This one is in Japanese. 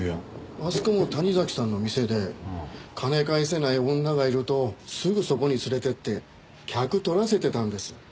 あそこも谷崎さんの店で金返せない女がいるとすぐそこに連れて行って客取らせてたんです。